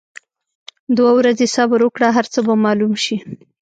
دوه ورځي صبر وکړه هرڅۀ به معلوم شي.